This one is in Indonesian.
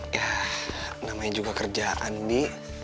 ya namanya juga kerjaan di